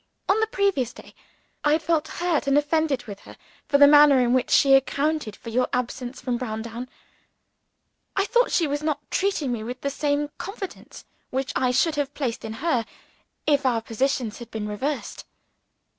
On the previous day, I had felt hurt and offended with her for the manner in which she accounted for your absence from Browndown. I thought she was not treating me with the same confidence which I should have placed in her, if our positions had been reversed.